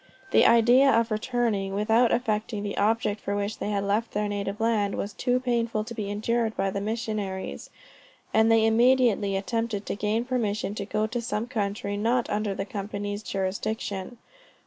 The idea of returning, without effecting the object for which they had left their native land, was too painful to be endured by the missionaries, and they immediately attempted to gain permission to go to some country not under the company's jurisdiction.